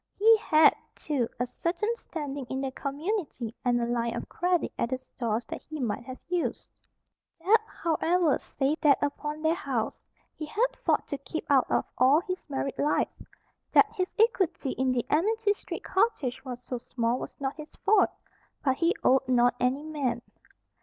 He had, too, a certain standing in the community and a line of credit at the stores that he might have used. Debt, however, save that upon their house, he had fought to keep out of all his married life. That his equity in the Amity Street cottage was so small was not his fault; but he owed not any man.